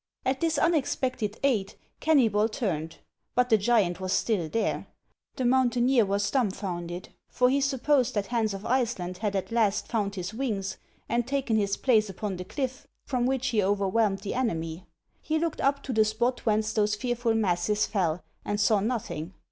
At this unexpected aid, Kennybol turned ; but the giant was still there ! The mountaineer was dumfounded ; for he supposed that Hans of Iceland had at last found his wings and taken his place upon the cliff, from which he overwhelmed the enemy. He looked up to the spot whence those fearful masses fell, and saw nothing.